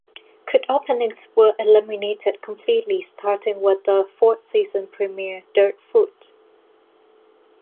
Cold openings were eliminated completely starting with the fourth-season premiere, "Dirtfoot".